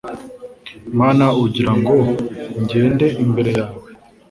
mana ugira ngo ngende imbere yawe